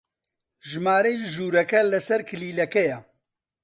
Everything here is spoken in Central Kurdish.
ژمارەی ژوورەکە لەسەر کلیلەکەیە.